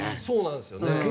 そうなんですよね。